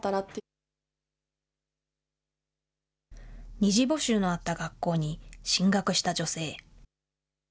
二次募集のあった学校に進学した女性。